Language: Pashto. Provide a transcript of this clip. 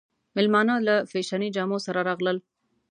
مېلمانه له فېشني جامو سره راغلل.